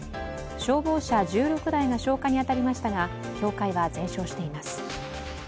消防車１６台が消火に当たりましたが教会は全焼しています。